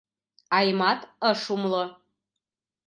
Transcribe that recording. Аймат ыш умыло.